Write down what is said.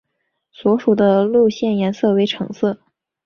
所属的线路颜色为橙色。